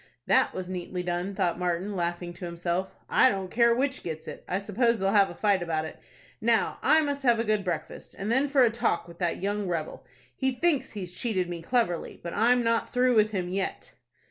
"That was neatly done," thought Martin, laughing to himself. "I don't care which gets it. I suppose they'll have a fight about it. Now I must have a good breakfast, and then for a talk with that young rebel. He thinks he's cheated me cleverly, but I'm not through with him yet."